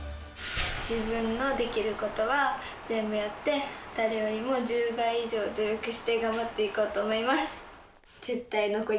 自分のできることは全部やって、誰よりも１０倍以上努力して、頑張っていこうと思います。